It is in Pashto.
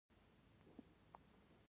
د محصولاتو د کیفیت ښه والی تشویقیږي.